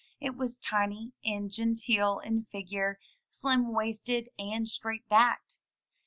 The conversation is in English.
It was tiny and genteel in figure, slim waisted, and straight backed.